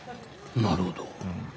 なるほど。